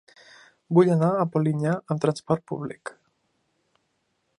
Vull anar a Polinyà amb trasport públic.